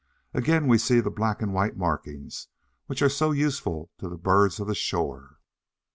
Again we see the black and white markings which are so useful to the bird of the shore.